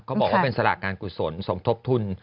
บอกว่าเป็นสลากงานกุศลสมทบทุน